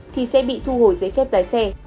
thì sẽ bị thu hồi giấy phép lái xe